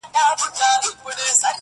نه دعوه نه بهانه سي څوك منلاى.